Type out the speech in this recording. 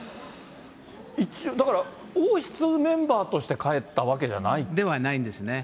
だから、王室メンバーとして帰ったわけじゃない？ではないですね。